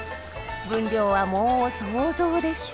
分量はもう想像です。